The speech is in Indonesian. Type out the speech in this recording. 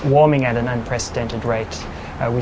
keringatannya di atas harga yang tidak terlalu terangkan